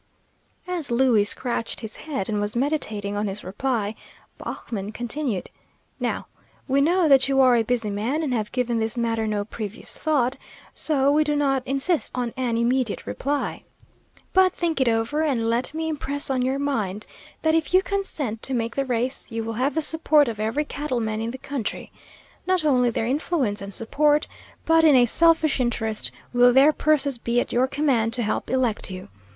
As Louie scratched his head and was meditating on his reply, Baughman continued: "Now, we know that you are a busy man, and have given this matter no previous thought, so we do not insist on an immediate reply. But think it over, and let me impress on your mind that if you consent to make the race, you will have the support of every cattle man in the country. Not only their influence and support, but in a selfish interest will their purses be at your command to help elect you.